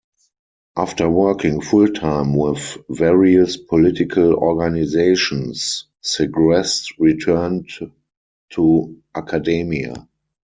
After working full-time with various political organizations, Segrest returned to academia.